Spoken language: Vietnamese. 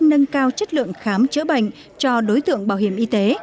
nâng cao chất lượng khám chữa bệnh cho đối tượng bảo hiểm y tế